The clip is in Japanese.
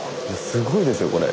すごいですよこれ。